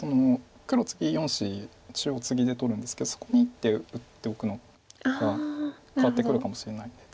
黒次４子中央ツギで取るんですけどそこに１手打っておくのが変わってくるかもしれないので。